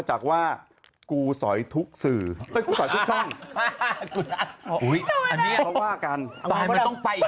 ช่วยบ้านมันต้องไป